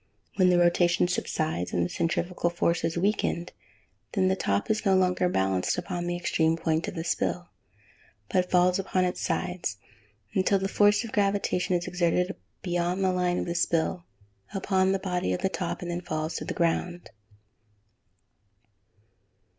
When the rotation subsides, and the centrifugal force is weakened, then the top is no longer balanced upon the extreme point of the spill, but falls upon its sides, until the force of gravitation is exerted beyond the line of the spill, upon the body of the top, and then it falls to the ground.